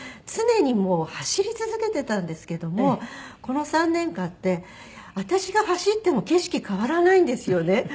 常にもう走り続けてたんですけどもこの３年間って私が走っても景色変わらないんですよね。